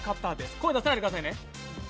声出さないでくださいね